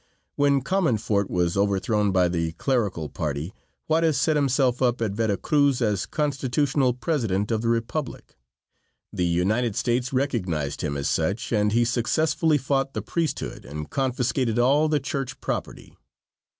When Comonfort was overthrown by the clerical party, Juarez set himself up at Vera Cruz as Constitutional President of the Republic. The United States recognized him as such, and he successfully fought the priesthood and confiscated all the church property.